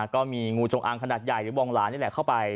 ก็มีงูจงอางขนาดใหญ่หรือบองหลานนี่แหละเข้าไป